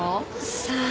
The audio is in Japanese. さあ。